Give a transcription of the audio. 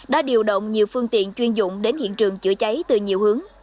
đã điều động nhiều phương tiện chuyên dụng đến hiện trường chữa cháy từ nhiều hướng